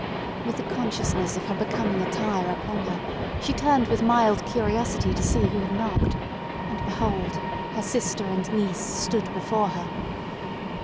With the consciousness of her becoming attire upon her she turned with mild curiosity to see who had knocked; and, behold, her sister and niece stood before her!